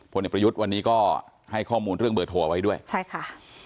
เด็กประยุทธ์วันนี้ก็ให้ข้อมูลเรื่องเบอร์โทรเอาไว้ด้วยใช่ค่ะ